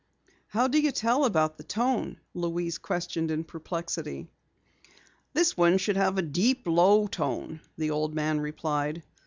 "How do you tell about the tone?" Louise questioned in perplexity. "This one should have a deep, low tone," the old man replied.